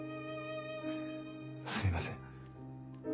すみません。